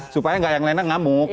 supaya nggak yang lainnya ngamuk